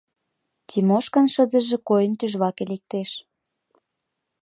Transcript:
— Тимошкан шыдыже койын тӱжваке лектеш.